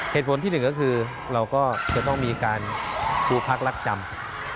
เหตุผลที่หนึ่งก็คือเราก็จะต้องมีการดูพักรักจำ